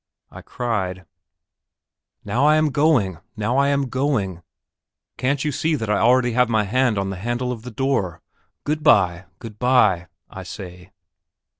I cried: "Now I am going, now I am going. Can't you see that I already have my hand on the handle of the door? Good bye, good bye," I say.